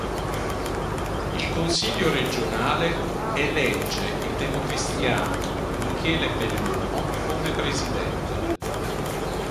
Il consiglio regionale elegge il democristiano Michele Bellomo come Presidente.